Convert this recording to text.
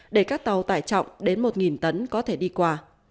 để các tàu tải trọng đến một tấn có thể đi qua